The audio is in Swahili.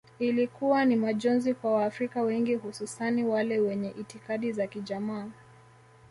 Ilikuwa ni majonzi kwa waafrika wengi hususani wale wenye itikadi za kijamaa